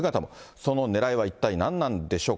そのねらいは一体何なんでしょうか。